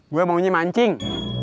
gue mau nyemancing